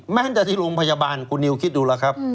ตั้งแต่ที่โรงพยาบาลคุณนิวคิดดูแล้วครับ